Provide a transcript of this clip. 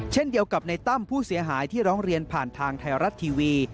เช่นเดียวกับในตั้มผู้เสียหายที่ร้องเรียนผ่านทางไทยรัฐทีวี